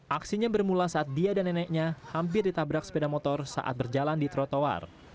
aksinya bermula saat dia dan neneknya hampir ditabrak sepeda motor saat berjalan di trotoar